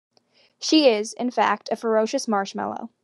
She is, in fact, a ferocious marshmallow.